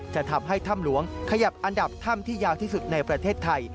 จะทำให้ถ้ำหลวงขยับอันดับถ้ำที่ยาวที่สุดในประเทศไทย